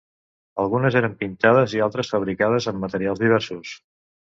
Algunes eren pintades i altres fabricades amb materials diversos.